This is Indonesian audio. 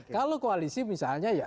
kalau koalisi misalnya ya